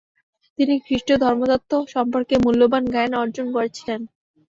তিনি খ্রিস্টীয় ধর্মতত্ত্ব সম্পর্কে মূল্যবান জ্ঞান অর্জন করেছিলেন।